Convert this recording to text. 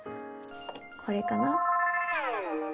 これかな？